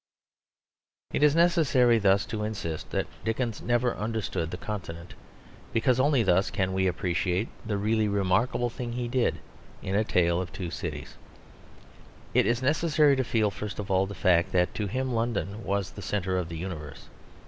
It is necessary thus to insist that Dickens never understood the Continent, because only thus can we appreciate the really remarkable thing he did in A Tale of Two Cities. It is necessary to feel, first of all, the fact that to him London was the centre of the universe.